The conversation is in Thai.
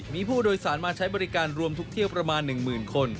มีผู้โดยสารมาใช้บริการรวมทุกเที่ยวประมาณ๑๐๐๐คน